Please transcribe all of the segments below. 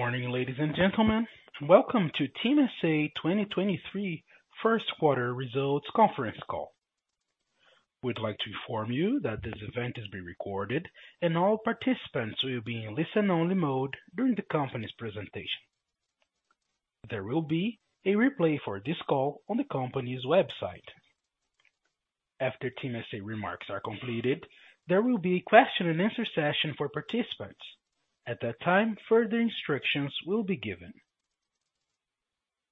Good morning, ladies and gentlemen. Welcome to TIM S.A. 2023 1st quarter results conference call. We'd like to inform you that this event is being recorded, and all participants will be in listen only mode during the company's presentation. There will be a replay for this call on the company's website. After TIM S.A. remarks are completed, there will be a question and answer session for participants. At that time, further instructions will be given.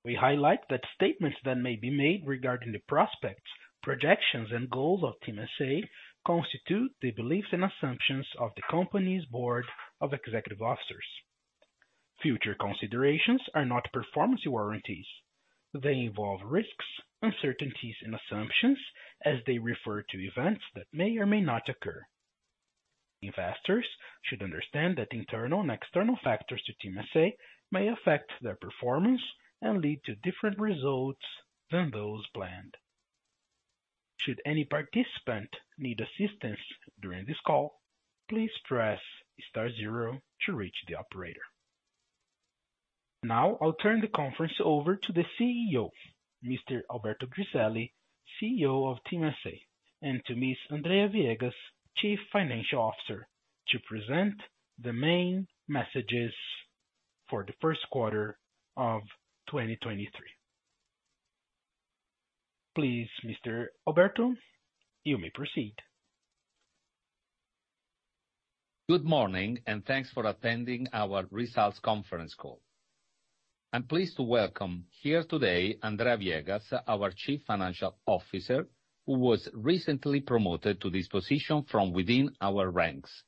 We highlight that statements that may be made regarding the prospects, projections and goals of TIM S.A. constitute the beliefs and assumptions of the company's board of executive officers. Future considerations are not performance warranties. They involve risks, uncertainties and assumptions as they refer to events that may or may not occur. Investors should understand that internal and external factors to TIM S.A. may affect their performance and lead to different results than those planned. Should any participant need assistance during this call, please press star 0 to reach the operator. I'll turn the conference over to the CEO, Mr. Alberto Griselli, CEO of TIM S.A., and to Ms. Andrea Viegas, Chief Financial Officer, to present the main messages for the first quarter of 2023. Please, Mr. Alberto, you may proceed. Good morning, thanks for attending our results conference call. I'm pleased to welcome here today Andrea Viegas, our Chief Financial Officer, who was recently promoted to this position from within our ranks.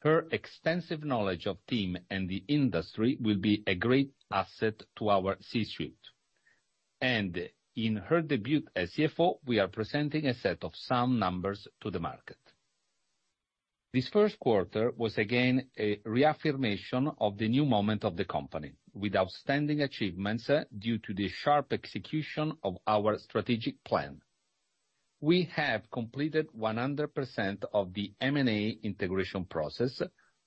Her extensive knowledge of TIM and the industry will be a great asset to our C-suite. In her debut as CFO, we are presenting a set of some numbers to the market. This first quarter was again a reaffirmation of the new moment of the company, with outstanding achievements due to the sharp execution of our strategic plan. We have completed 100% of the M&A integration process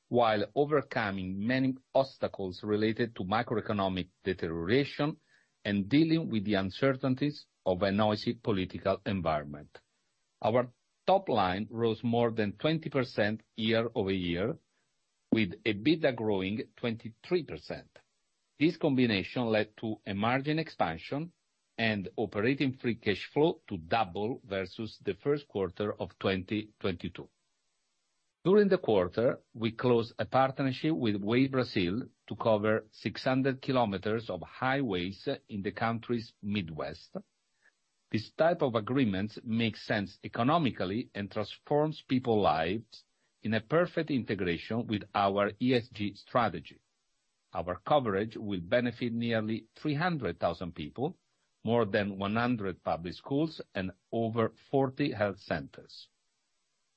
while overcoming many obstacles related to macroeconomic deterioration and dealing with the uncertainties of a noisy political environment. Our top line rose more than 20% year-over-year with EBITDA growing 23%. This combination led to a margin expansion and operating free cash flow to double versus the first quarter of 2022. During the quarter, we closed a partnership with Grupo Way Brasil to cover 600 kilometers of highways in the country's Midwest. This type of agreement makes sense economically and transforms people lives in a perfect integration with our ESG strategy. Our coverage will benefit nearly 300,000 people, more than 100 public schools, and over 40 health centers.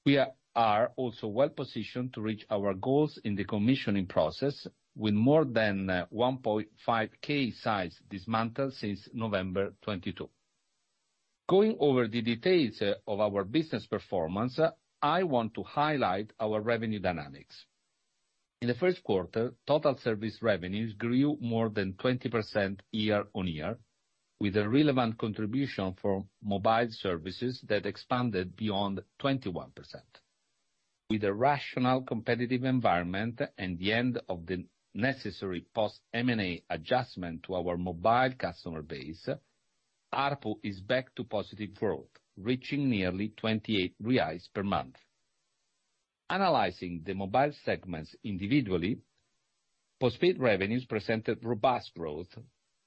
We are also well positioned to reach our goals in the commissioning process with more than 1.5K sites dismantled since November 2022. Going over the details of our business performance, I want to highlight our revenue dynamics. In the first quarter, total service revenues grew more than 20% year-on-year, with a relevant contribution for mobile services that expanded beyond 21%. With a rational competitive environment and the end of the necessary post-M&A adjustment to our mobile customer base, ARPU is back to positive growth, reaching nearly 28 reais per month. Analyzing the mobile segments individually, postpaid revenues presented robust growth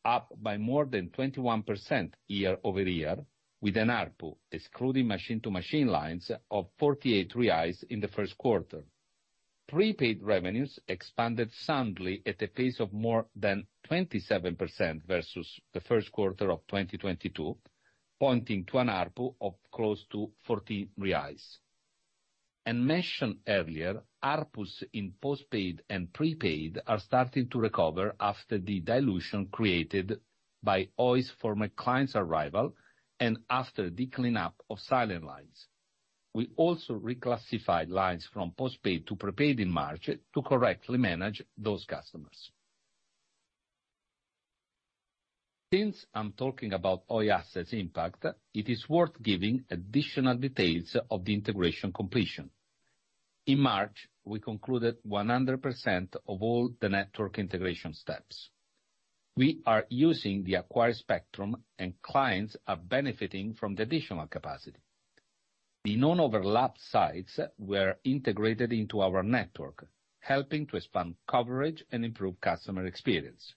up by more than 21% year-over-year with an ARPU excluding machine to machine lines of 48 reais in the 1st quarter. Prepaid revenues expanded soundly at a pace of more than 27% versus the 1st quarter of 2022, pointing to an ARPU of close to 14 reais. Mentioned earlier, ARPUs in postpaid and prepaid are starting to recover after the dilution created by Oi's former clients arrival and after the cleanup of silent lines. We also reclassified lines from postpaid to prepaid in March to correctly manage those customers. Since I'm talking about Oi assets impact, it is worth giving additional details of the integration completion. In March, we concluded 100% of all the network integration steps. We are using the acquired spectrum and clients are benefiting from the additional capacity. The non-overlap sites were integrated into our network, helping to expand coverage and improve customer experience.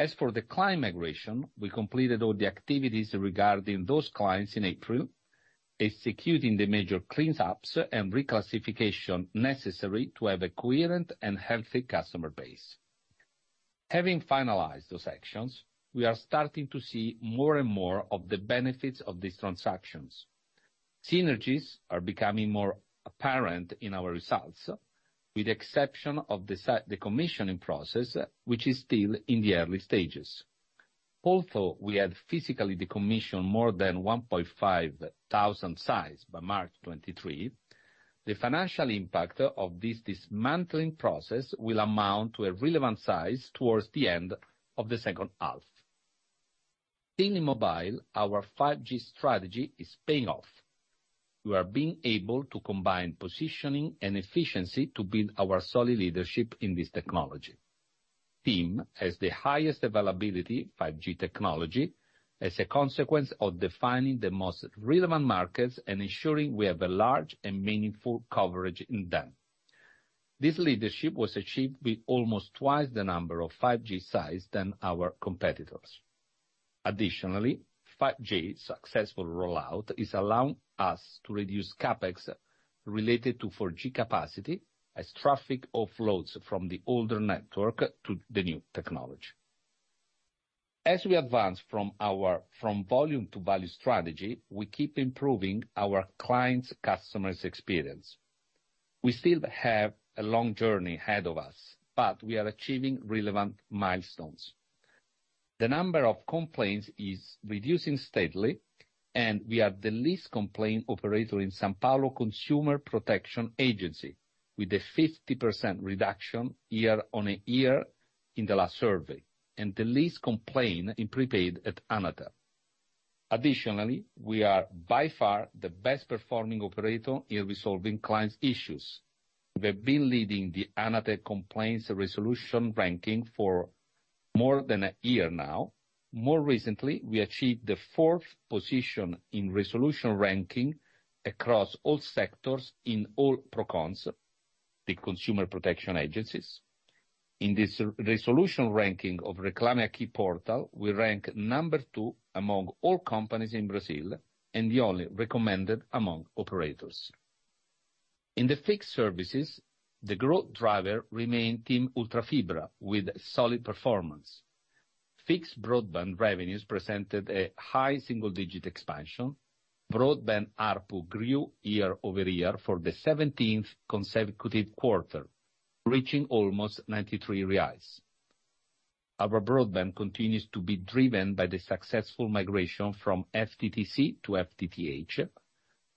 As for the client migration, we completed all the activities regarding those clients in April, executing the major cleanups and reclassification necessary to have a coherent and healthy customer base. Having finalized those actions, we are starting to see more and more of the benefits of these transactions. Synergies are becoming more apparent in our results, with the exception of the commissioning process which is still in the early stages. Although we had physically decommissioned more than 1,500 sites by March 2023, the financial impact of this dismantling process will amount to a relevant size towards the end of the second half. In mobile, our 5G strategy is paying off. We are being able to combine positioning and efficiency to build our solid leadership in this technology. TIM has the highest availability 5G technology as a consequence of defining the most relevant markets and ensuring we have a large and meaningful coverage in them. This leadership was achieved with almost twice the number of 5G sites than our competitors. Additionally, 5G successful rollout is allowing us to reduce CapEx related to 4G capacity, as traffic offloads from the older network to the new technology. As we advance from our volume to value strategy, we keep improving our clients, customers' experience. We still have a long journey ahead of us, but we are achieving relevant milestones. The number of complaints is reducing steadily, and we are the least complaint operator in São Paulo Consumer Protection Agency, with a 50% reduction year-over-year in the last survey, and the least complaint in prepaid at Anatel. We are by far the best performing operator in resolving clients' issues. We've been leading the Anatel complaints resolution ranking for more than a year now. More recently, we achieved the fourth position in resolution ranking across all sectors in all Procons, the consumer protection agencies. In this resolution ranking of Reclame AQUI portal, we rank number two among all companies in Brazil, and the only recommended among operators. In the fixed services, the growth driver remained TIM Ultrafibra with solid performance. Fixed broadband revenues presented a high single-digit expansion. Broadband ARPU grew year-over-year for the 17th consecutive quarter, reaching almost 93 reais. Our broadband continues to be driven by the successful migration from FTTC to FTTH.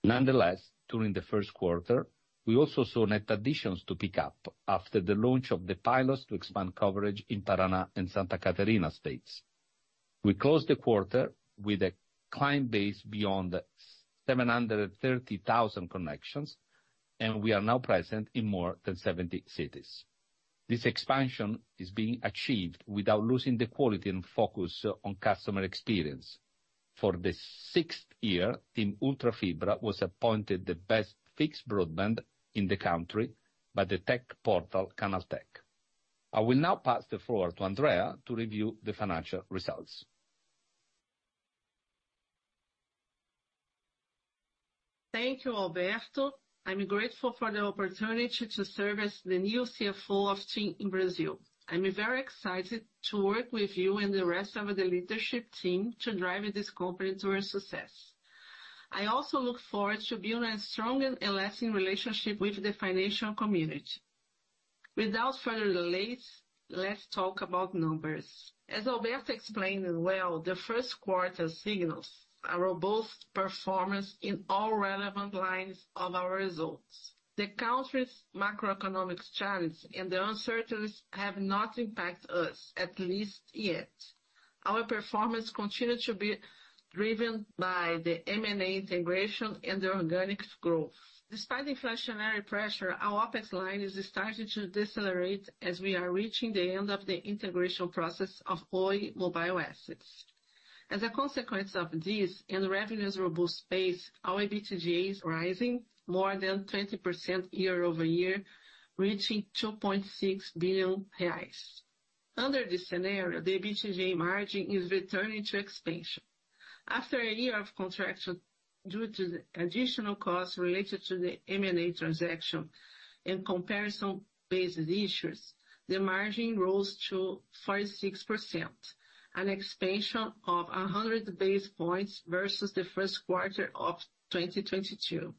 Nonetheless, during the first quarter, we also saw net additions to pick up after the launch of the pilots to expand coverage in Paraná and Santa Catarina states. We closed the quarter with a client base beyond 730,000 connections. We are now present in more than 70 cities. This expansion is being achieved without losing the quality and focus on customer experience. For the sixth year, TIM Ultrafibra was appointed the best fixed broadband in the country by the tech portal Canaltech. I will now pass the floor to Andrea to review the financial results. Thank you, Alberto. I'm grateful for the opportunity to serve as the new CFO of TIM in Brazil. I'm very excited to work with you and the rest of the leadership team to drive this company towards success. I also look forward to building a strong and lasting relationship with the financial community. Without further delays, let's talk about numbers. As Alberto explained well, the first quarter signals a robust performance in all relevant lines of our results. The country's macroeconomic challenge and the uncertainties have not impacted us, at least yet. Our performance continued to be driven by the M&A integration and the organic growth. Despite inflationary pressure, our OpEx line is starting to decelerate as we are reaching the end of the integration process of Oi mobile assets. As a consequence of this and revenue's robust pace, our EBITDA is rising more than 20% year-over-year, reaching 2.6 billion reais. Under this scenario, the EBITDA margin is returning to expansion. After a year of contraction due to the additional costs related to the M&A transaction and comparison-based issues, the margin rose to 46%, an expansion of 100 basis points versus the first quarter of 2022.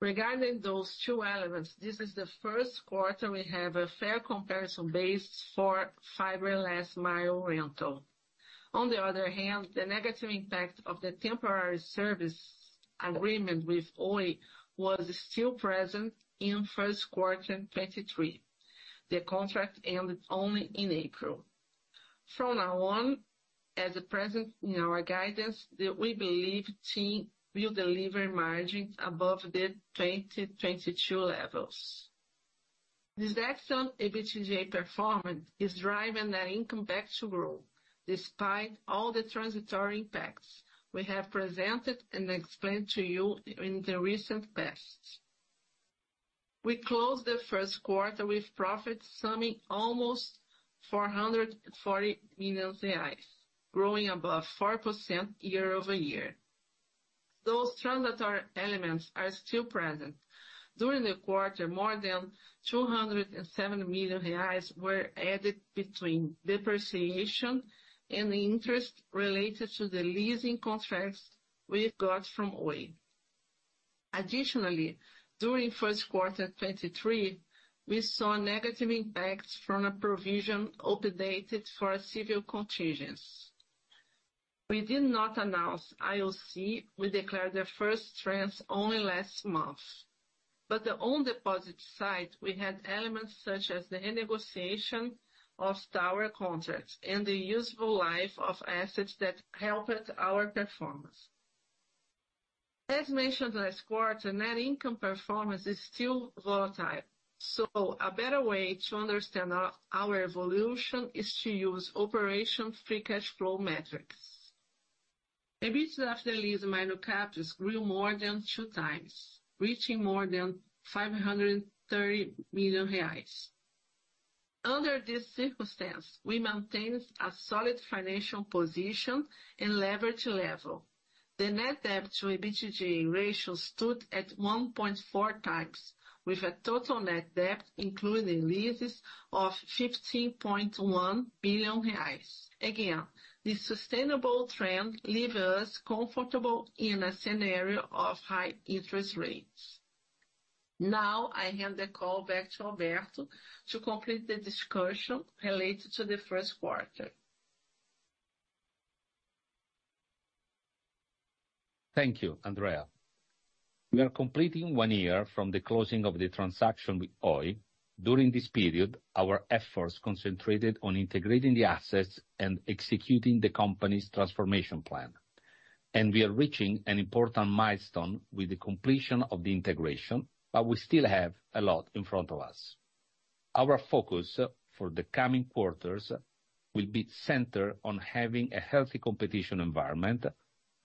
Regarding those two elements, this is the first quarter we have a fair comparison base for fiber last mile rental. On the other hand, the negative impact of the temporary service agreement with Oi was still present in first quarter 2023. The contract ended only in April. From now on, as present in our guidance, we believe TIM will deliver margins above the 2022 levels. This excellent EBITDA performance is driving the income back to growth, despite all the transitory impacts we have presented and explained to you in the recent past. We closed the first quarter with profits summing almost 440 million reais, growing above 4% year-over-year. Those transitory elements are still present. During the quarter, more than 207 million reais were added between depreciation and the interest related to the leasing contracts we got from Oi. Additionally, during first quarter 2023, we saw negative impacts from a provision updated for a civil contingence. We did not announce IOC. We declared the first trends only last month. On deposit side, we had elements such as the renegotiation of tower contracts and the useful life of assets that helped our performance. As mentioned last quarter, net income performance is still volatile, so a better way to understand our evolution is to use operation free cash flow metrics. EBIT after lease minor CapEx grew more than two times, reaching more than 530 million reais. Under this circumstance, we maintained a solid financial position and leverage level. The net debt to EBITDA ratio stood at 1.4x, with a total net debt including leases of 15.1 billion reais. Again, this sustainable trend leave us comfortable in a scenario of high interest rates. Now I hand the call back to Alberto to complete the discussion related to the first quarter. Thank you, Andrea. We are completing one year from the closing of the transaction with Oi. During this period, our efforts concentrated on integrating the assets and executing the company's transformation plan. We are reaching an important milestone with the completion of the integration, but we still have a lot in front of us. Our focus for the coming quarters will be centered on having a healthy competition environment,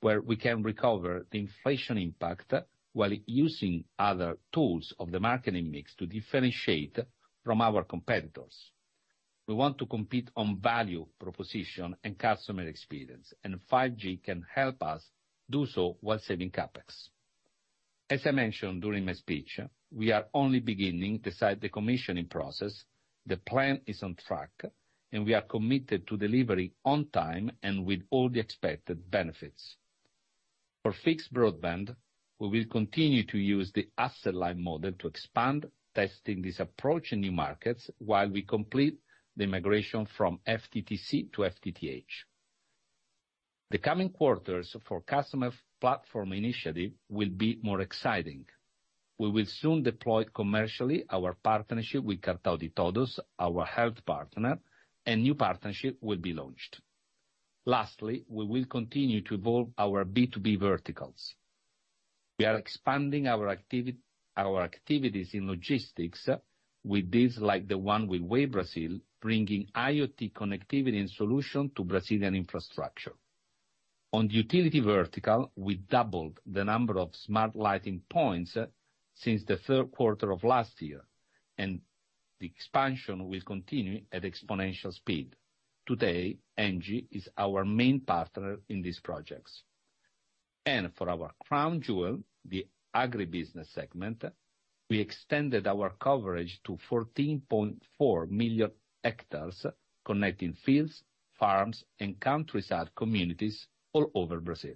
where we can recover the inflation impact while using other tools of the marketing mix to differentiate from our competitors. We want to compete on value, proposition, and customer experience, and 5G can help us do so while saving CapEx. As I mentioned during my speech, we are only beginning the site decommission process. The plan is on track, and we are committed to delivering on time and with all the expected benefits. For fixed broadband, we will continue to use the asset-light model to expand testing this approach in new markets while we complete the migration from FTTC to FTTH. The coming quarters for customer platform initiative will be more exciting. We will soon deploy commercially our partnership with Cartão de TODOS, our health partner, and new partnership will be launched. We will continue to evolve our B2B verticals. We are expanding our activities in logistics with deals like the one with Grupo Way Brasil, bringing IoT connectivity and solution to Brazilian infrastructure. On utility vertical, we doubled the number of smart lighting points since the 3rd quarter of last year. The expansion will continue at exponential speed. Today, ENGIE is our main partner in these projects. For our crown jewel, the agribusiness segment, we extended our coverage to 14.4 million hectares, connecting fields, farms, and countryside communities all over Brazil.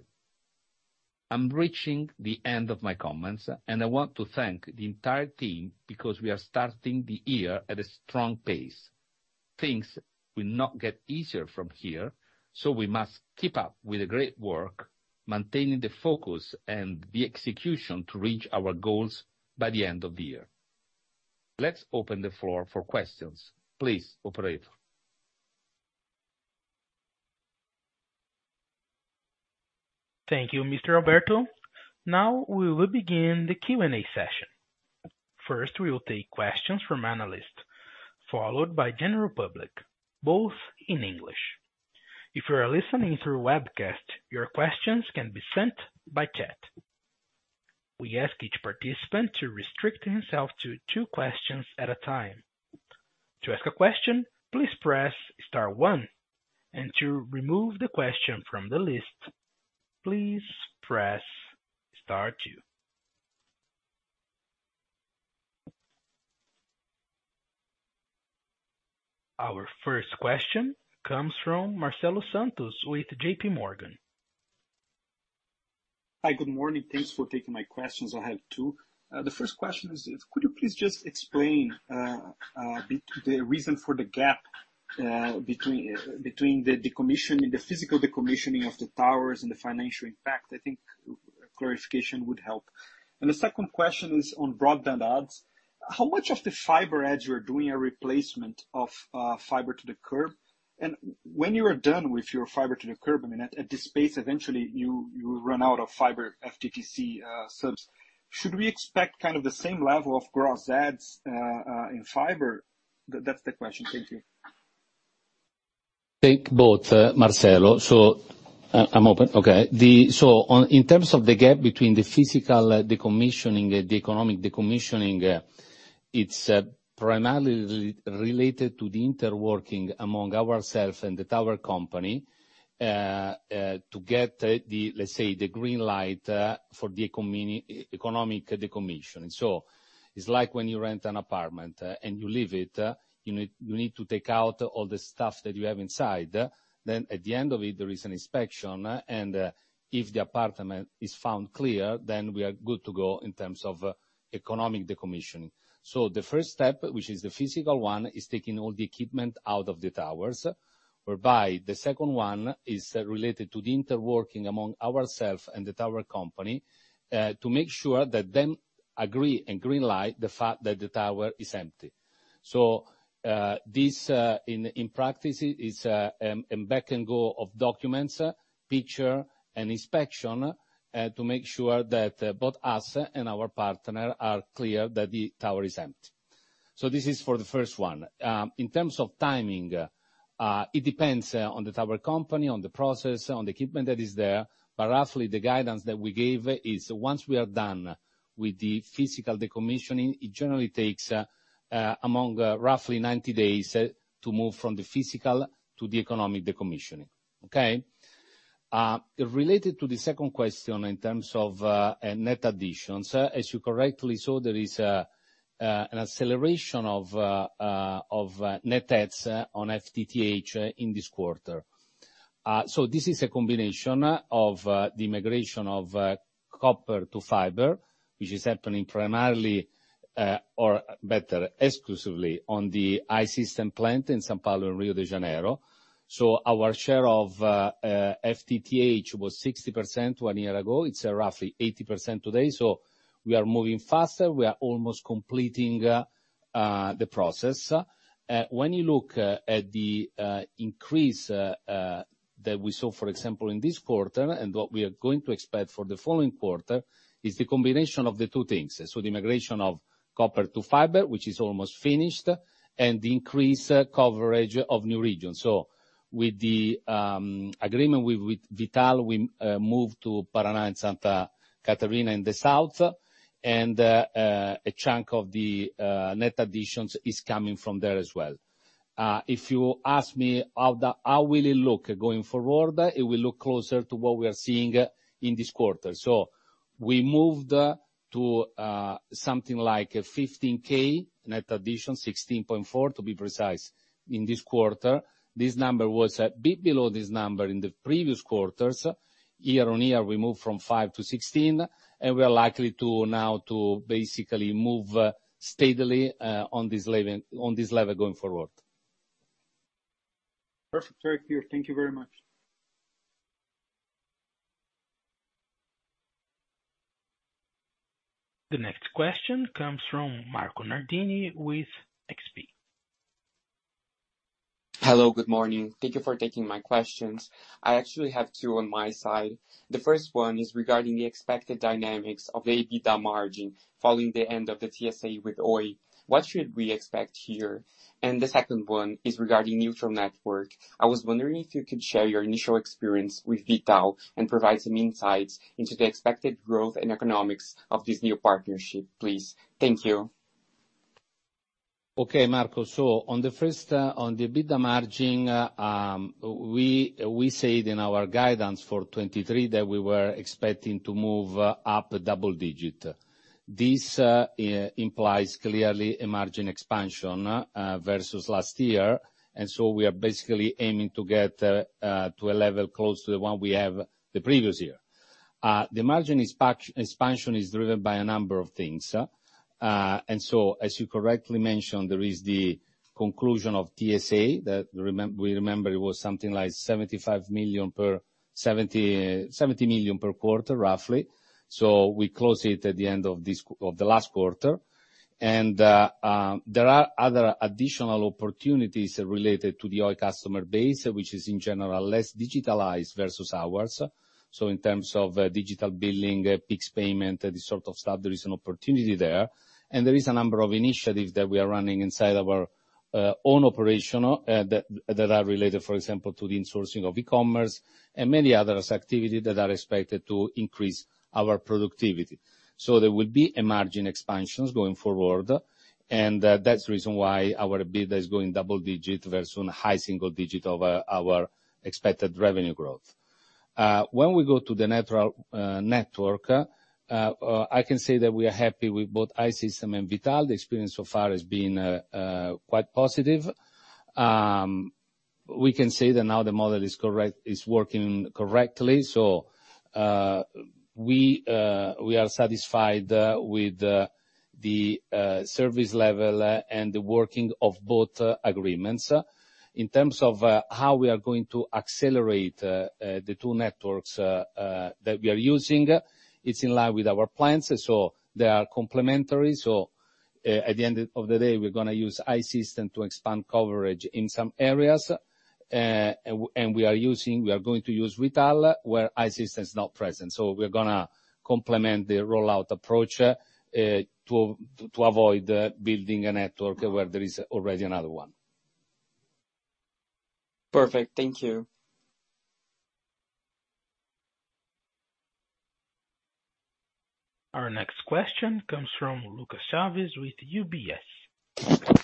I'm reaching the end of my comments, and I want to thank the entire team because we are starting the year at a strong pace. Things will not get easier from here, so we must keep up with the great work, maintaining the focus and the execution to reach our goals by the end of the year. Let's open the floor for questions. Please, operator. Thank you, Mr. Alberto. Now we will begin the Q&A session. First, we will take questions from analysts, followed by general public, both in English. If you are listening through webcast, your questions can be sent by chat. We ask each participant to restrict himself to two questions at a time. To ask a question, please press star one, and to remove the question from the list, please press star two. Our first question comes from Marcelo Santos with JPMorgan. Hi. Good morning. Thanks for taking my questions. I have two. The first question is, could you please just explain the reason for the gap between the decommissioning, the physical decommissioning of the towers and the financial impact? I think clarification would help. The second question is on broadband adds. How much of the fiber adds you are doing a replacement of fiber to the curb? When you are done with your fiber to the curb, I mean, at this pace, eventually you run out of fiber FTTC subs. Should we expect kind of the same level of gross adds in fiber? That's the question. Thank you. Thank both, Marcelo. I'm open. In terms of the gap between the physical decommissioning and the economic decommissioning, it's primarily related to the interworking among ourselves and the tower company, to get the, let's say, the green light for the economic decommission. It's like when you rent an apartment, and you leave it, you need to take out all the stuff that you have inside. At the end of it, there is an inspection, and if the apartment is found clear, we are good to go in terms of economic decommission. The first step, which is the physical one, is taking all the equipment out of the towers, whereby the second one is related to the interworking among ourselves and the tower company, to make sure that they agree and green light the fact that the tower is empty. This in practice is a back-and-go of documents, picture, and inspection, to make sure that both us and our partner are clear that the tower is empty. This is for the first one. In terms of timing, it depends on the tower company, on the process, on the equipment that is there. Roughly, the guidance that we gave is once we are done with the physical decommissioning, it generally takes among roughly 90 days to move from the physical to the economic decommissioning. Okay? Related to the second question in terms of net additions, as you correctly saw, there is an acceleration of net adds on FTTH in this quarter. This is a combination of the migration of copper to fiber, which is happening primarily, or better, exclusively on the I-Systems plant in São Paulo and Rio de Janeiro. So our share of FTTH was 60% one year ago. It's roughly 80% today. So we are moving faster. We are almost completing the process. When you look at the increase that we saw, for example, in this quarter and what we are going to expect for the following quarter is the combination of the two things. The migration of copper to fiber, which is almost finished, and the increased coverage of new regions. With the agreement with V.tal, we moved to Paraná and Santa Catarina in the south, and a chunk of the net additions is coming from there as well. If you ask me how will it look going forward, it will look closer to what we are seeing in this quarter. We moved to something like 15K net addition, 16.4 to be precise, in this quarter. This number was a bit below this number in the previous quarters. Year-on-year, we moved from five to 16, and we are likely to now to basically move steadily on this level going forward. Perfect. Very clear. Thank you very much. The next question comes from Marco Nardini with XP. Hello, good morning. Thank you for taking my questions. I actually have two on my side. The first one is regarding the expected dynamics of the EBITDA margin following the end of the TSA with Oi. What should we expect here? The second one is regarding neutral network. I was wondering if you could share your initial experience with V.tal and provide some insights into the expected growth and economics of this new partnership, please. Thank you. Okay, Marco. On the first, on the EBITDA margin, we said in our guidance for 2023 that we were expecting to move up double digit. This implies clearly a margin expansion versus last year. We are basically aiming to get to a level close to the one we have the previous year. The margin expansion is driven by a number of things. As you correctly mentioned, there is the conclusion of TSA that we remember it was something like 75 million per 70 million per quarter, roughly. We close it at the end of this, of the last quarter. There are other additional opportunities related to the Oi customer base, which is in general, less digitalized versus ours. In terms of digital billing, peaks payment, this sort of stuff, there is an opportunity there. There is a number of initiatives that we are running inside our own operational that are related, for example, to the insourcing of e-commerce and many others activity that are expected to increase our productivity. There will be a margin expansions going forward, and that's the reason why our EBITDA is going double digit versus high single digit over our expected revenue growth. When we go to the natural network, I can say that we are happy with both I-Systems and V.tal. The experience so far has been quite positive. We can say that now the model is correct, is working correctly. We are satisfied with the service level and the working of both agreements. In terms of how we are going to accelerate the two networks that we are using, it's in line with our plans, so they are complementary. At the end of the day, we're gonna use I-Systems to expand coverage in some areas. We are using, we are going to use V.tal where I-Systems is not present. We're gonna complement the rollout approach to avoid building a network where there is already another one. Perfect. Thank you. Our next question comes from Lucas Chaves with UBS.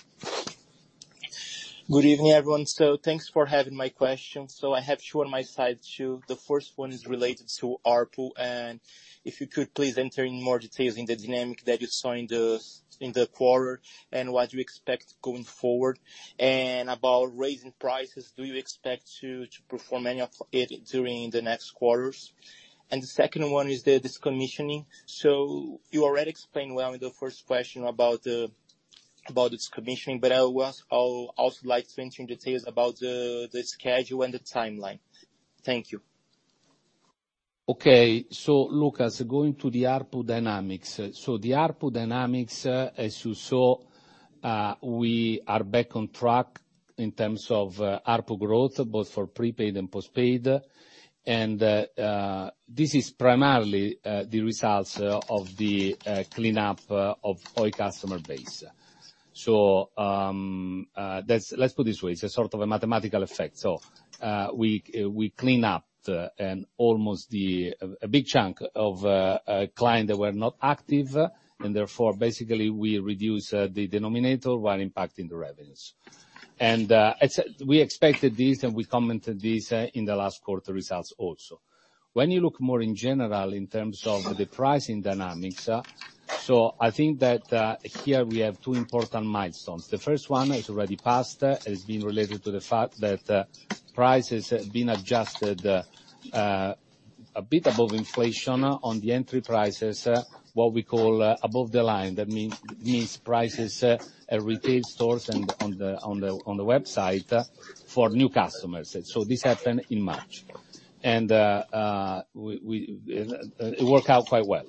Good evening, everyone. Thanks for having my question. I have two on my side, too. The first one is related to ARPU, and if you could please enter in more details in the quarter and what you expect going forward. About raising prices, do you expect to perform any of it during the next quarters? The second one is the decommissioning. You already explained well in the first question about the decommissioning, but I'll also like to enter details about the schedule and the timeline. Thank you. Okay. Lucas, going to the ARPU dynamics. The ARPU dynamics, as you saw, we are back on track in terms of ARPU growth both for prepaid and postpaid. This is primarily the results of the cleanup of Oi customer base. Let's put it this way, it's a sort of a mathematical effect. We clean up the and almost a big chunk of a client that were not active, and therefore, basically we reduce the denominator while impacting the revenues. As said, we expected this, and we commented this in the last quarter results also. When you look more in general in terms of the pricing dynamics, so I think that here we have two important milestones. The first one is already passed. It has been related to the fact that prices have been adjusted a bit above inflation on the entry prices, what we call above the line. That means prices at retail stores and on the website for new customers. This happened in March. It worked out quite well.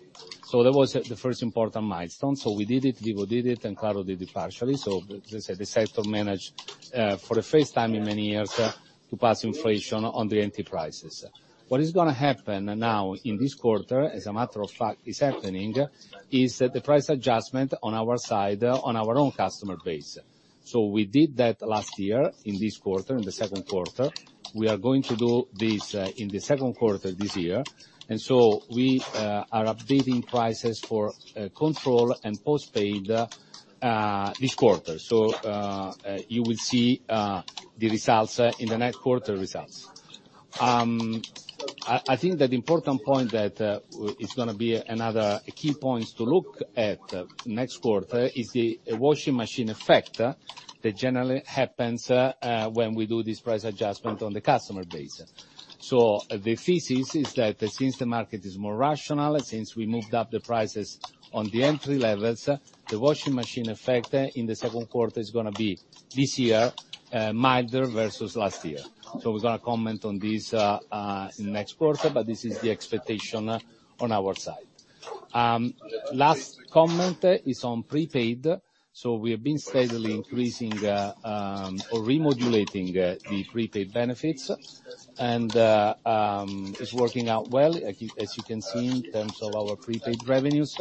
That was the first important milestone. We did it, Vivo did it, and Claro did it partially. As I said, the sector managed for the first time in many years to pass inflation on the entry prices. What is gonna happen now in this quarter, as a matter of fact it's happening, is the price adjustment on our side, on our own customer base. We did that last year in this quarter, in the second quarter. We are going to do this in the second quarter this year. We are updating prices for control and postpaid this quarter. You will see the results in the next quarter results. I think that important point that is gonna be another key points to look at next quarter is the washing machine effect that generally happens when we do this price adjustment on the customer base. The thesis is that since the market is more rational, since we moved up the prices on the entry levels, the washing machine effect in the second quarter is gonna be this year milder versus last year. We're gonna comment on this next quarter, but this is the expectation on our side. Last comment is on prepaid. We have been steadily increasing, or remodulating, the prepaid benefits. It's working out well, as you can see, in terms of our prepaid revenues.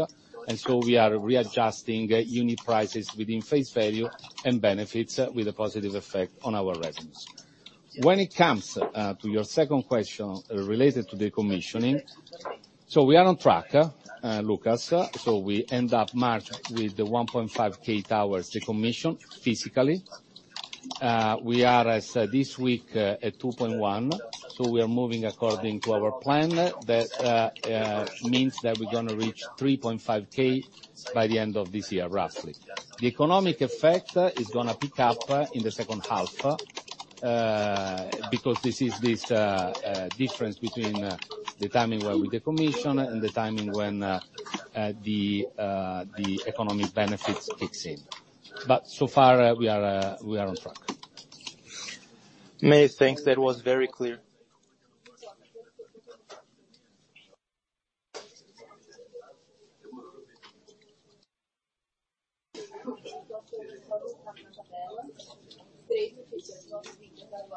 We are readjusting unit prices within face value and benefits with a positive effect on our revenues. When it comes to your second question related to the commissioning, we are on track, Lucas. We end up March with the 1.5K towers decommission physically. We are as this week at 2.1, we are moving according to our plan. That means that we're gonna reach 3.5K by the end of this year, roughly. The economic effect is gonna pick up in the second half, because this difference between the timing where we decommission and the timing when, the economic benefits kicks in. So far, we are on track. May, thanks. That was very clear.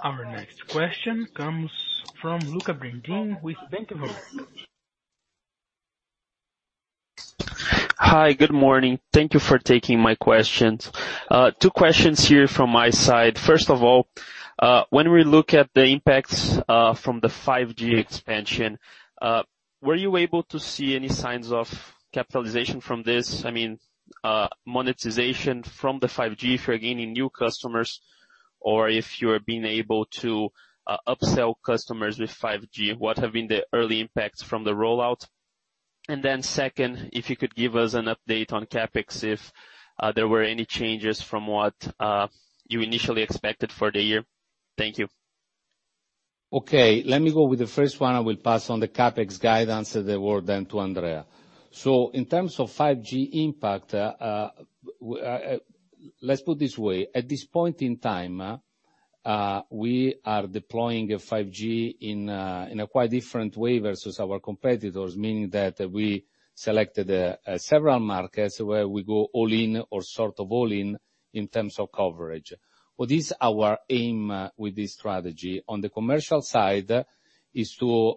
Our next question comes from Lucca Brendim with Bank of America. Hi. Good morning. Thank you for taking my questions. two questions here from my side. First of all, when we look at the impacts, from the 5G expansion, were you able to see any signs of capitalization from this? I mean, monetization from the 5G if you're gaining new customers or if you're being able to, upsell customers with 5G? What have been the early impacts from the rollout? Second, if you could give us an update on CapEx, if, there were any changes from what, you initially expected for the year. Thank you. Okay. Let me go with the first one. I will pass on the CapEx guidance the word then to Andrea. In terms of 5G impact, let's put this way. At this point in time, we are deploying 5G in a quite different way versus our competitors, meaning that we selected several markets where we go all in or sort of all in terms of coverage. With this, our aim with this strategy on the commercial side is to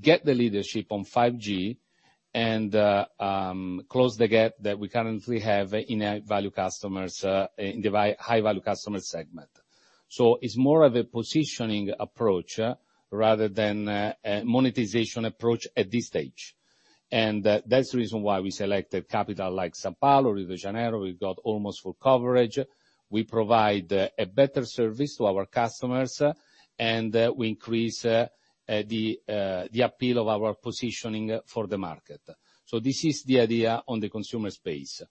get the leadership on 5G. And close the gap that we currently have in value customers, in the high value customer segment. It's more of a positioning approach rather than a monetization approach at this stage. That's the reason why we selected capital like São Paulo, Rio de Janeiro. We've got almost full coverage. We provide a better service to our customers, and we increase the appeal of our positioning for the market. This is the idea on the consumer space.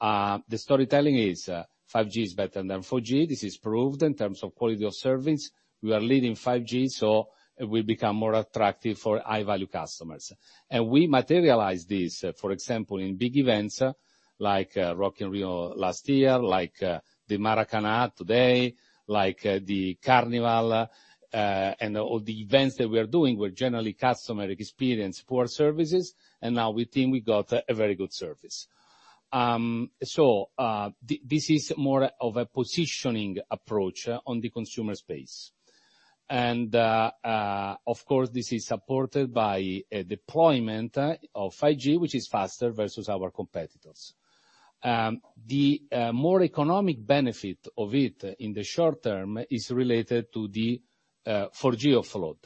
The storytelling is 5G is better than 4G. This is proved in terms of quality of service. We are leading 5G, so we become more attractive for high value customers. We materialize this, for example, in big events like Rock in Rio last year, like the Maracanã today, like the Carnival, and all the events that we are doing where generally customer experience poor services, and now we think we got a very good service. This is more of a positioning approach on the consumer space. Of course, this is supported by a deployment of 5G, which is faster versus our competitors. The more economic benefit of it in the short term is related to the 4G offload.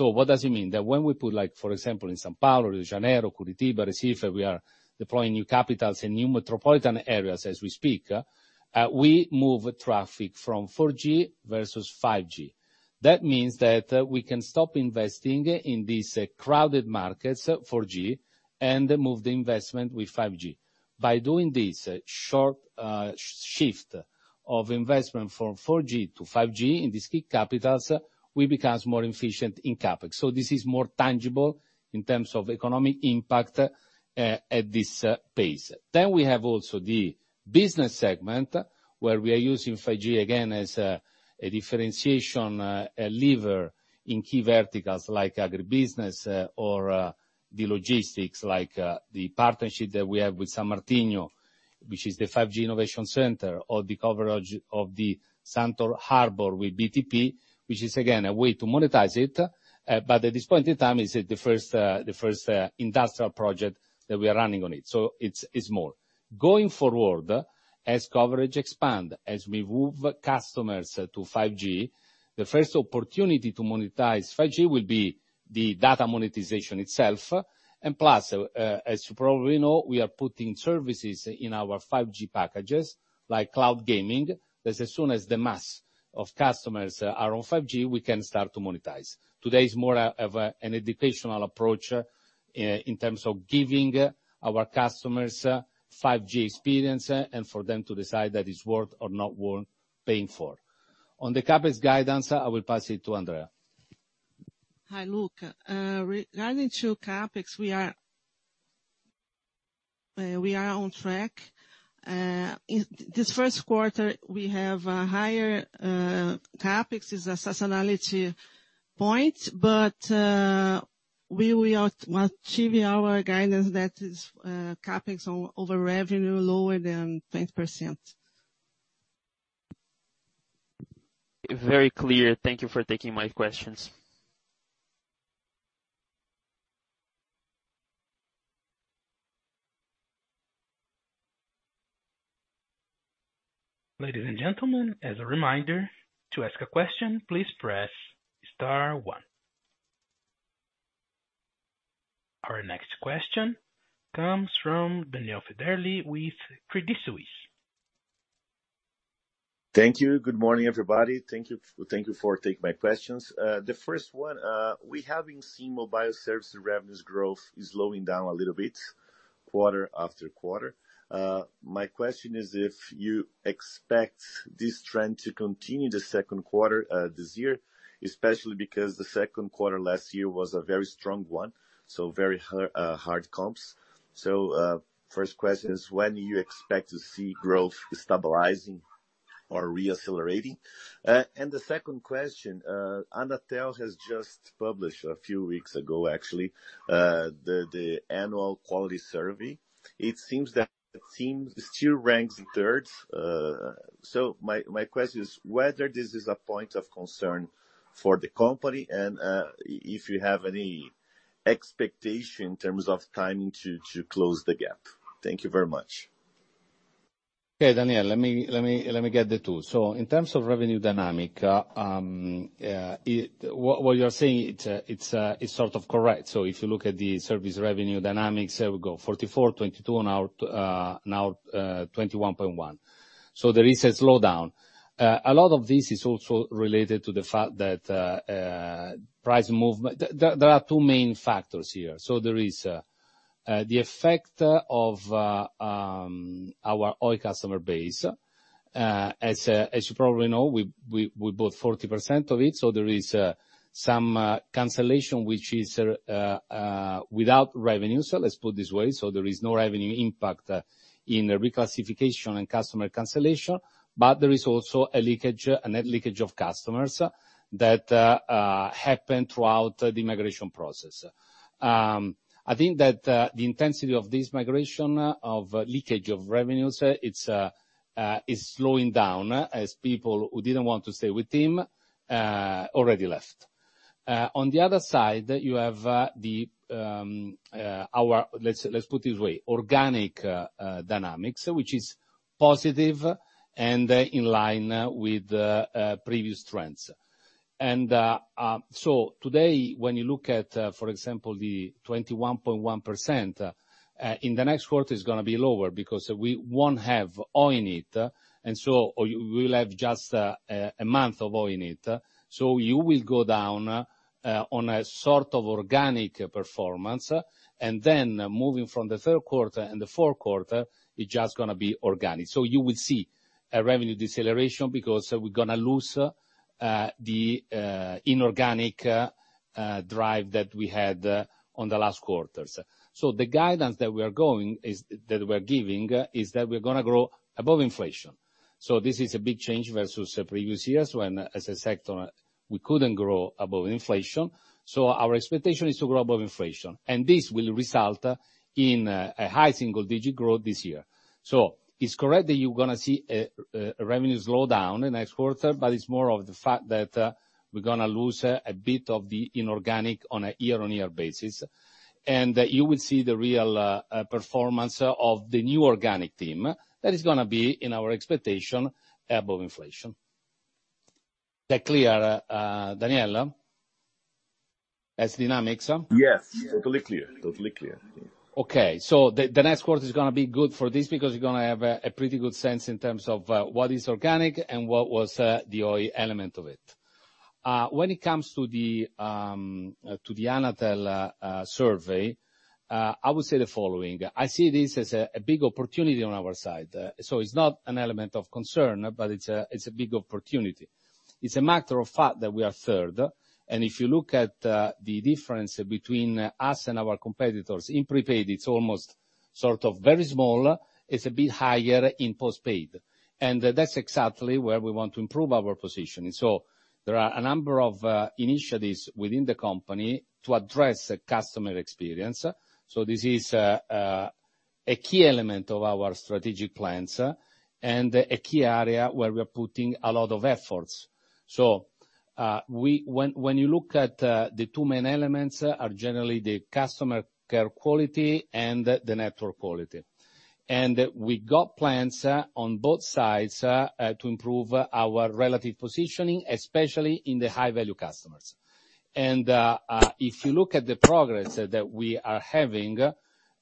What does it mean? That when we put like, for example, in São Paulo, Rio de Janeiro, Curitiba, Recife, we are deploying new capitals in new metropolitan areas as we speak, we move traffic from 4G versus 5G. That means that we can stop investing in these crowded markets, 4G, and move the investment with 5G. By doing this short shift of investment from 4G to 5G in these key capitals, we becomes more efficient in CapEx. This is more tangible in terms of economic impact at this pace. We have also the business segment, where we are using 5G again as a differentiation lever in key verticals like agribusiness or the logistics, like the partnership that we have with São Martinho, which is the 5G innovation center, or the coverage of the Santos Harbor with BTP, which is again, a way to monetize it. At this point in time, it's the first, the first industrial project that we are running on it, so it's more. Going forward, as coverage expand, as we move customers to 5G, the first opportunity to monetize 5G will be the data monetization itself. Plus, as you probably know, we are putting services in our 5G packages, like cloud gaming, that as soon as the mass of customers are on 5G, we can start to monetize. Today is more of a, an educational approach in terms of giving our customers 5G experience and for them to decide that it's worth or not worth paying for. On the CapEx guidance, I will pass it to Andrea. Hi, Luca. Regarding to CapEx, we are on track. This first quarter, we have a higher CapEx is a seasonality point, but we will achieve our guidance that is CapEx over revenue lower than 20%. Very clear. Thank you for taking my questions. Ladies and gentlemen, as a reminder, to ask a question, please press star one. Our next question comes from Daniel Federle with Credit Suisse. Thank you. Good morning, everybody. Thank you, thank you for taking my questions. The first one, we having seen mobile service revenues growth is slowing down a little bit quarter-after-quarter. My question is if you expect this trend to continue the second quarter, this year, especially because the second quarter last year was a very strong one, so very hard comps. First question is when you expect to see growth stabilizing or re-accelerating? The second question, Anatel has just published a few weeks ago, actually, the annual quality survey. It seems that TIM still ranks in third. My question is whether this is a point of concern for the company and if you have any expectation in terms of timing to close the gap. Thank you very much. Okay, Daniel, let me get the two. In terms of revenue dynamic, what you're saying, it's sort of correct. If you look at the service revenue dynamics, there we go, 44, 22, now, 21.1. There is a slowdown. A lot of this is also related to the fact that price movement. There are two main factors here. There is the effect of our Oi customer base. As you probably know, we bought 40% of it, there is some cancellation which is without revenue. Let's put this way, there is no revenue impact in reclassification and customer cancellation, but there is also a leakage, a net leakage of customers that happened throughout the migration process. I think that the intensity of this migration of leakage of revenues, it's slowing down as people who didn't want to stay with TIM already left. On the other side, you have organic dynamics which is positive and in line with previous trends. Today when you look at, for example, the 21.1%, in the next quarter it's going to be lower because we won't have one-off, you will have just a month of one-off. you will go down on a sort of organic performance. Then moving from the third quarter and the fourth quarter, it's just gonna be organic. you will see a revenue deceleration because we're gonna lose the inorganic drive that we had on the last quarters. The guidance that we are giving is that we're gonna grow above inflation. This is a big change versus previous years when as a sector we couldn't grow above inflation. Our expectation is to grow above inflation, and this will result in a high single digit growth this year. It's correct that you're gonna see a revenue slow down in next quarter, but it's more of the fact that we're gonna lose a bit of the inorganic on a year-on-year basis. You will see the real performance of the new organic TIM that is gonna be, in our expectation, above inflation. That clear, Daniela? As dynamics? Yes, totally clear. Totally clear. The next quarter is gonna be good for this because you're gonna have a pretty good sense in terms of what is organic and what was the Oi element of it. When it comes to the Anatel survey, I would say the following: I see this as a big opportunity on our side. It's not an element of concern, but it's a big opportunity. It's a matter of fact that we are third, and if you look at the difference between us and our competitors, in prepaid it's almost sort of very small. It's a bit higher in postpaid. That's exactly where we want to improve our position. There are a number of initiatives within the company to address the customer experience. This is a key element of our strategic plans and a key area where we're putting a lot of efforts. When you look at, the two main elements are generally the customer care quality and the network quality. We got plans on both sides to improve our relative positioning, especially in the high-value customers. If you look at the progress that we are having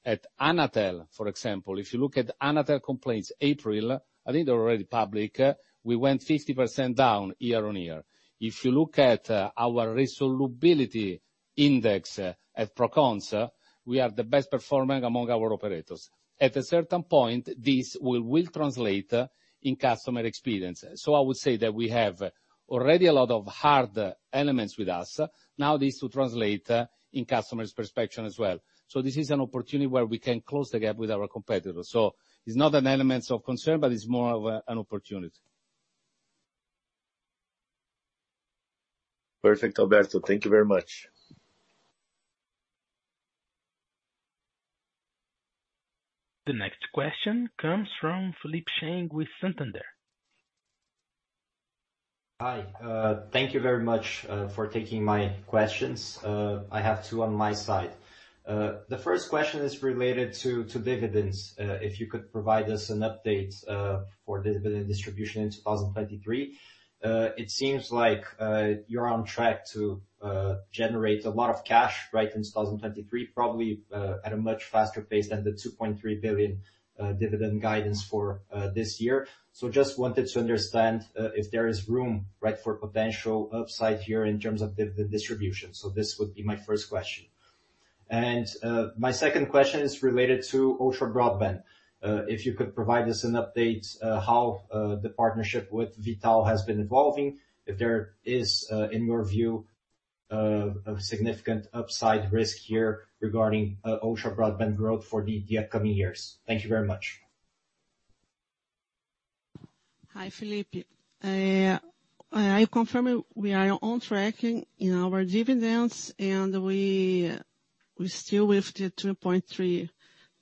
at Anatel, for example, if you look at Anatel complaints April, I think they're already public, we went 50% down year-on-year. If you look at our resolubility index at Procon, we are the best performer among our operators. At a certain point, this will translate in customer experience. I would say that we have already a lot of hard elements with us. This will translate, in customers' perception as well. This is an opportunity where we can close the gap with our competitors. It's not an element of concern, but it's more of an opportunity. Perfect, Alberto. Thank you very much. The next question comes from Felipe Cheng with Santander. Hi. Thank you very much for taking my questions. I have two on my side. The first question is related to dividends, if you could provide us an update for dividend distribution in 2023. It seems like you're on track to generate a lot of cash, right, in 2023, probably at a much faster pace than the 2.3 billion dividend guidance for this year. Just wanted to understand if there is room, right, for potential upside here in terms of dividend distribution. This would be my first question. My second question is related to ultra broadband. If you could provide us an update, how the partnership with V.tal has been evolving, if there is, in your view, a significant upside risk here regarding ultra broadband growth for the upcoming years. Thank you very much. Hi, Felipe. I confirm we are on tracking in our dividends. We still with the 2.3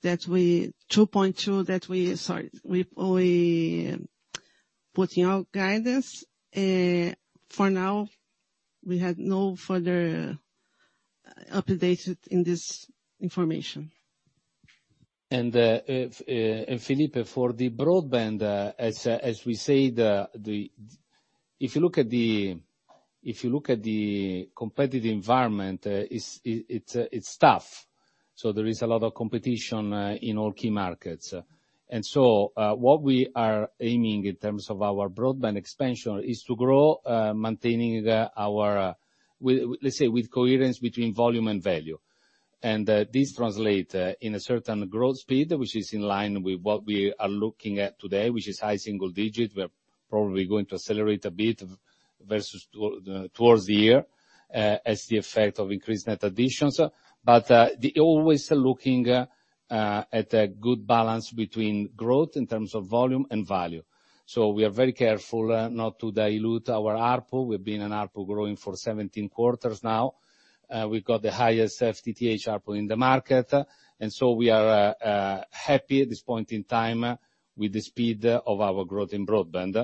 that we... 2.2 that we, sorry, we put in our guidance. For now, we have no further updated in this information. Felipe, for the broadband, as we say, the... If you look at the competitive environment, it's tough. There is a lot of competition in all key markets. What we are aiming in terms of our broadband expansion is to grow, maintaining the, our, with, let's say, with coherence between volume and value. This translate in a certain growth speed, which is in line with what we are looking at today, which is high single digit. We're probably going to accelerate a bit versus towards the year, as the effect of increased net additions. The always looking at a good balance between growth in terms of volume and value. We are very careful not to dilute our ARPU. We've been an ARPU growing for 17 quarters now. We've got the highest FTTH ARPU in the market. We are happy at this point in time with the speed of our growth in broadband.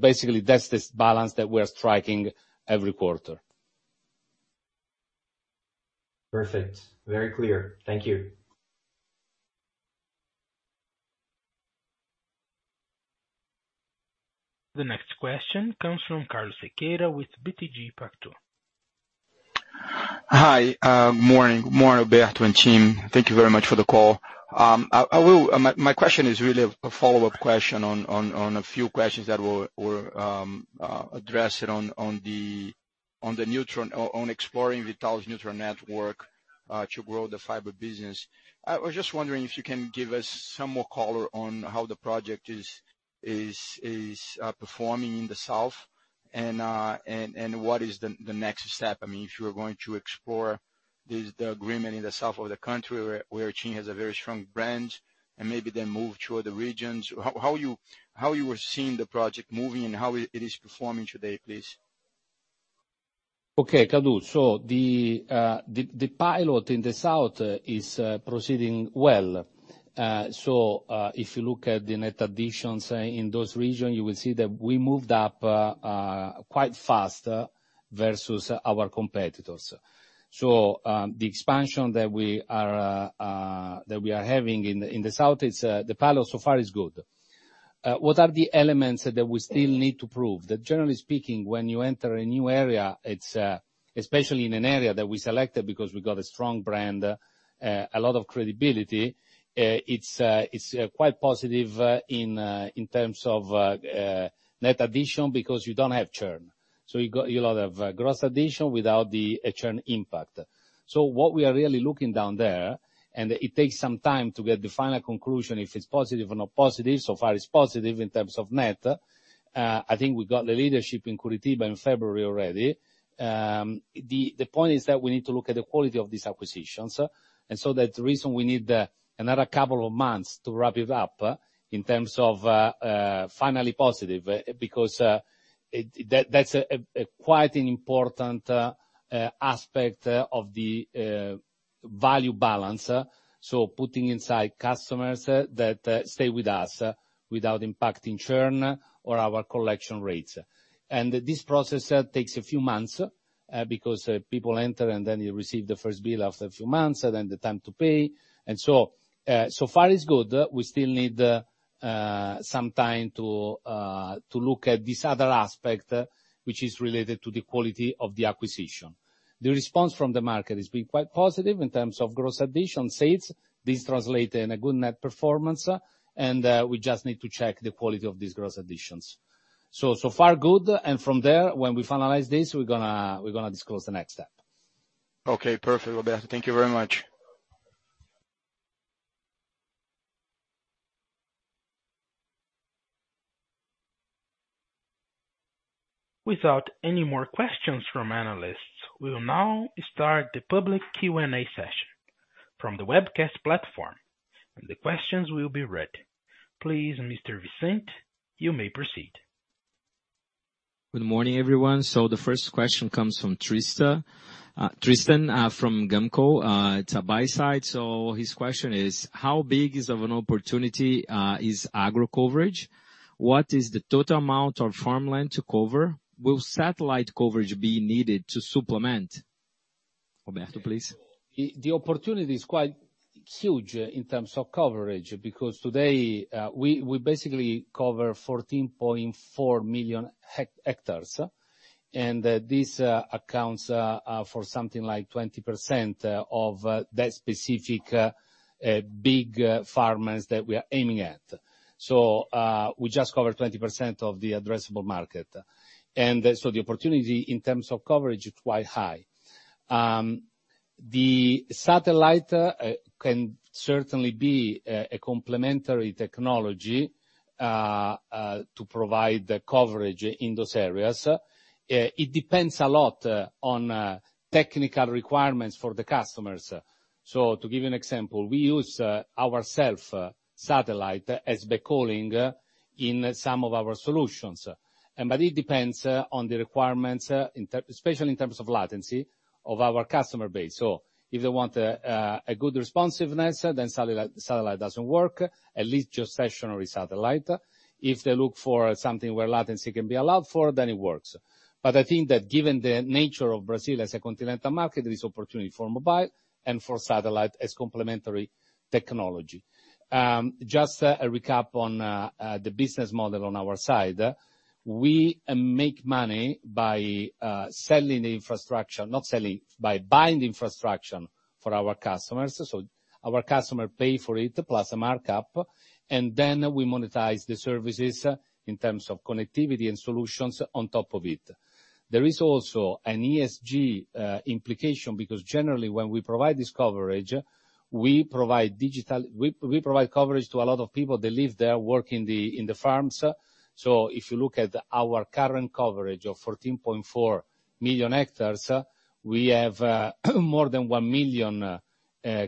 Basically that's this balance that we're striking every quarter. Perfect. Very clear. Thank you. The next question comes from Carlos Sequeira with BTG Pactual. Hi. Morning. Good morning, Alberto and team. Thank you very much for the call. My question is really a follow-up question on a few questions that were addressed on exploring V.tal's neutral network to grow the fiber business. I was just wondering if you can give us some more color on how the project is performing in the south and what is the next step. I mean, if you are going to explore this, the agreement in the south of the country where TIM has a very strong brand and maybe then move to other regions. How you are seeing the project moving and how it is performing today, please? Okay, Kadu. The pilot in the south is proceeding well. If you look at the net additions in those region, you will see that we moved up quite fast versus our competitors. The expansion that we are having in the south is, the pilot so far is good. What are the elements that we still need to prove? Generally speaking, when you enter a new area, it's especially in an area that we selected because we got a strong brand, a lot of credibility, it's quite positive in terms of net addition because you don't have churn. You got a lot of gross addition without the churn impact. What we are really looking down there, and it takes some time to get the final conclusion if it's positive or not positive, so far it's positive in terms of net. I think we got the leadership in Curitiba in February already. The point is that we need to look at the quality of these acquisitions. That's the reason we need another couple of months to wrap it up in terms of finally positive, because that's quite an important aspect of the value balance. Putting inside customers that stay with us without impacting churn or our collection rates. This process takes a few months, because people enter and then you receive the first bill after a few months, then the time to pay. So far it's good. We still need some time to look at this other aspect, which is related to the quality of the acquisition. The response from the market has been quite positive in terms of gross addition sales. This translate in a good net performance, and we just need to check the quality of these gross additions. So far good. From there, when we finalize this, we're gonna disclose the next step. Okay, perfect. Alberto, thank you very much. Without any more questions from analysts, we will now start the public Q&A session from the webcast platform, and the questions will be read. Please, Mr. Vincent, you may proceed. Good morning, everyone. The first question comes from Tristan from GAMCO. It's a buy side. His question is, how big is of an opportunity, is agro coverage? What is the total amount of farmland to cover? Will satellite coverage be needed to supplement? Alberto, please. quite huge in terms of coverage, because today, we basically cover 14.4 million hectares, and this accounts for something like 20% of that specific big farmers that we are aiming at. We just cover 20% of the addressable market. The opportunity in terms of coverage is quite high. The satellite can certainly be a complementary technology to provide the coverage in those areas. It depends a lot on technical requirements for the customers. To give you an example, we use ourself satellite as backhauling in some of our solutions. But it depends on the requirements, especially in terms of latency of our customer base. If they want a good responsiveness, then satellite doesn't work, at least just stationary satellite If they look for something where latency can be allowed for, then it works. I think that given the nature of Brazil as a continental market, there is opportunity for mobile and for satellite as complementary technology. Just a recap on the business model on our side. We make money by selling infrastructure, by buying infrastructure for our customers. Our customer pay for it plus a markup, and then we monetize the services in terms of connectivity and solutions on top of it. There is also an ESG implication, because generally when we provide this coverage, we provide coverage to a lot of people that live there, work in the farms. If you look at our current coverage of 14.4 million hectares, we have more than 1 million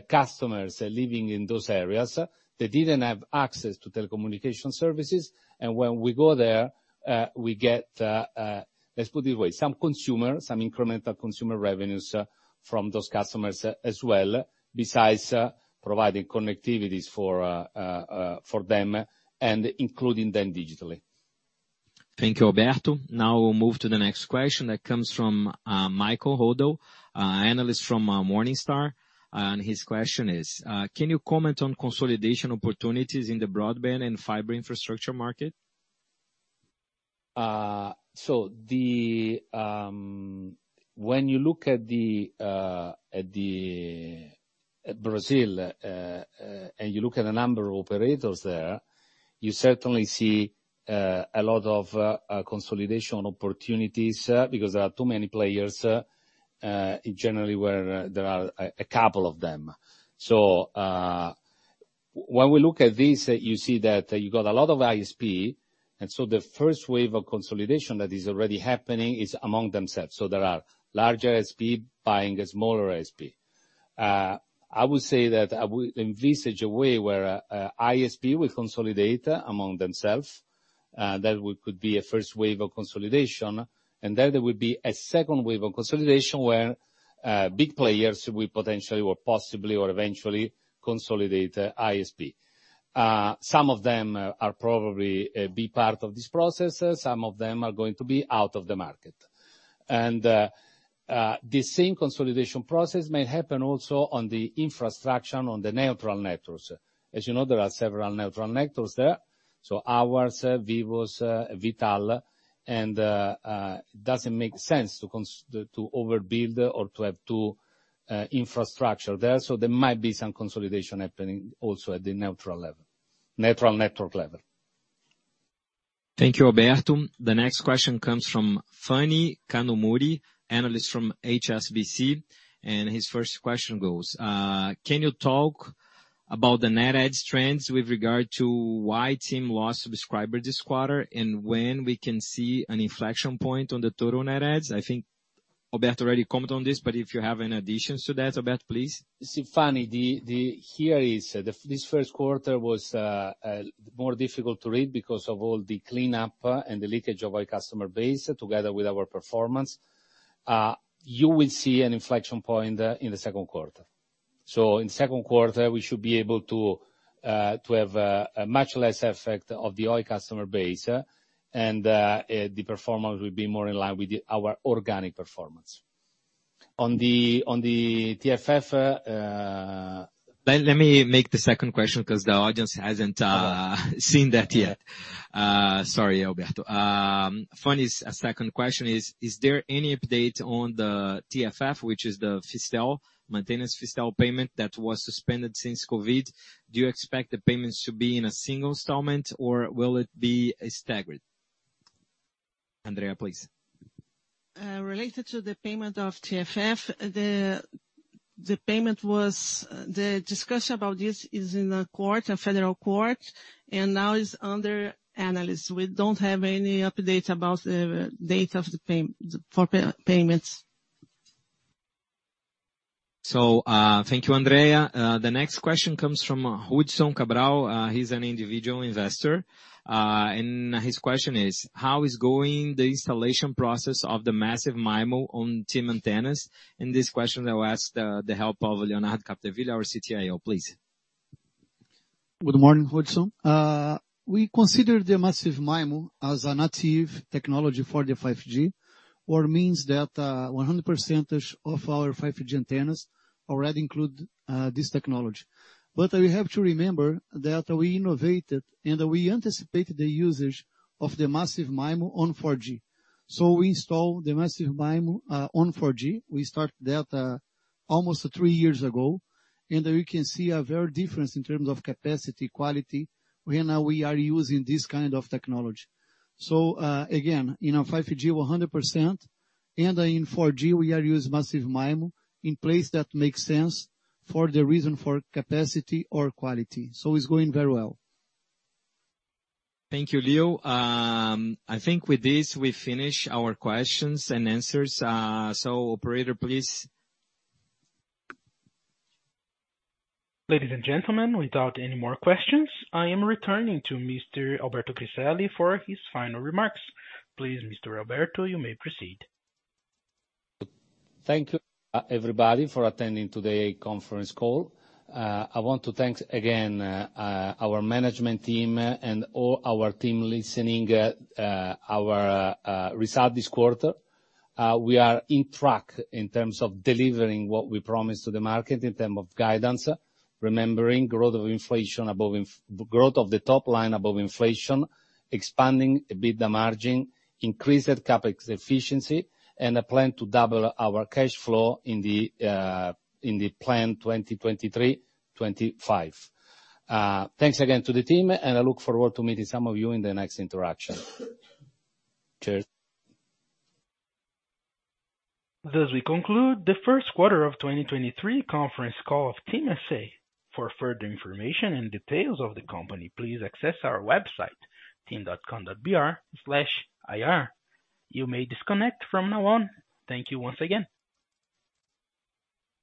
customers are living in those areas, they didn't have access to telecommunication services, and when we go there, we get, let's put it this way, some incremental consumer revenues from those customers as well, besides providing connectivities for them and including them digitally. Thank you, Alberto. Now we'll move to the next question that comes from Michael Hodel, analyst from Morningstar. His question is, can you comment on consolidation opportunities in the broadband and fiber infrastructure market? When you look at Brazil and you look at the number of operators there, you certainly see a lot of consolidation opportunities because there are too many players generally where there are a couple of them. When we look at this, you see that you got a lot of ISP, and the first wave of consolidation that is already happening is among themselves. There are larger ISP buying a smaller ISP. I would say that I would envisage a way where ISP will consolidate among themselves, that could be a first wave of consolidation, and then there would be a second wave of consolidation where big players will potentially or possibly or eventually consolidate ISP. Some of them are probably be part of this process, some of them are going to be out of the market. The same consolidation process may happen also on the infrastructure, on the neutral networks. As you know, there are several neutral networks there. Ours, Vivo's, V.tal. It doesn't make sense to overbuild or to have two infrastructure there. There might be some consolidation happening also at the neutral level. Neutral network level. Thank you, Alberto. The next question comes from Phani Kanumuri, analyst from HSBC. His first question goes, can you talk about the net adds trends with regard to why TIM lost subscriber this quarter, and when we can see an inflection point on the total net adds? I think Alberto already commented on this, but if you have any additions to that, Alberto, please. See, Phani, here is, this first quarter was more difficult to read because of all the cleanup and the leakage of our customer base together with our performance. You will see an inflection point in the second quarter. In second quarter, we should be able to have a much less effect of the Oi customer base, and the performance will be more in line with our organic performance. On the TFF, Let me make the second question 'cause the audience hasn't seen that yet. Sorry, Alberto. Phani's second question is there any update on the TFF, which is the FISTEL, maintenance FISTEL payment that was suspended since COVID? Do you expect the payments to be in a single installment, or will it be a staggered? Andrea, please. Related to the payment of TFF. The discussion about this is in a court, a federal court, and now is under analysis. We don't have any updates about the date of the for payments. Thank you, Andrea. The next question comes from Hudson Cabral, he's an individual investor. And his question is, how is going the installation process of the Massive MIMO on TIM antennas? In this question, I will ask the help of Leonardo Capdeville, our CTIO, please. Good morning, Hudson. We consider the Massive MIMO as a native technology for the 5G, or means that 100% of our 5G antennas already include this technology. We have to remember that we innovated and we anticipated the usage of the Massive MIMO on 4G. We install the Massive MIMO on 4G. We start that almost three years ago. We can see a very difference in terms of capacity, quality when we are using this kind of technology. Again, in our 5G 100%, and in 4G we are use Massive MIMO in place that makes sense for the reason for capacity or quality. It's going very well. Thank you, Leo. I think with this, we finish our questions and answers. Operator, please. Ladies and gentlemen, without any more questions, I am returning to Mr. Alberto Griselli for his final remarks. Please, Mr. Alberto, you may proceed. Thank you, everybody, for attending today conference call. I want to thanks again our management team and all our team listening at our result this quarter. We are in track in terms of delivering what we promised to the market in term of guidance, remembering growth of inflation above growth of the top line above inflation, expanding a bit the margin, increased CapEx efficiency, and a plan to double our cash flow in the plan 2023, 2025. Thanks again to the team. I look forward to meeting some of you in the next interaction. Cheers. Thus we conclude the first quarter of 2023 conference call of TIM S.A. For further information and details of the company, please access our website, ri.tim.com.br. You may disconnect from now on. Thank you once again.